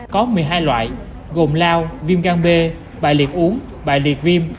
có một mươi hai loại gồm lao viêm gan b bài liệt uống bài liệt viêm